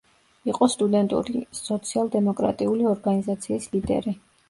იყო სტუდენტური სოციალ-დემოკრატიული ორგანიზაციის ლიდერი.